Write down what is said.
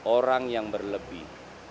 orang yang berlebih